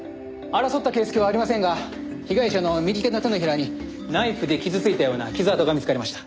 争った形跡はありませんが被害者の右手の手のひらにナイフで傷ついたような傷痕が見つかりました。